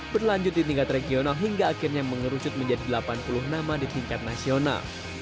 berlanjut di tingkat regional hingga akhirnya mengerucut menjadi delapan puluh nama di tingkat nasional